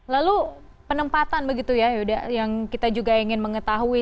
lalu penempatan begitu ya yuda yang kita juga ingin mengetahui